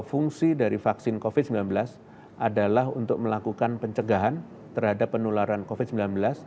fungsi dari vaksin covid sembilan belas adalah untuk melakukan pencegahan terhadap penularan covid sembilan belas